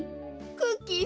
クッキー